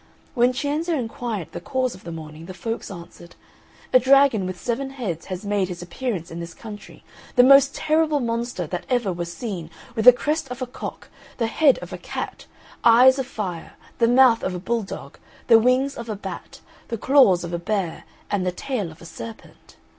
When Cienzo inquired the cause of the mourning the folks answered, "A dragon with seven heads has made his appearance in this country, the most terrible monster that ever was seen, with the crest of a cock, the head of a cat, eyes of fire, the mouth of a bulldog, the wings of a bat, the claws of a bear, and the tail of a serpent.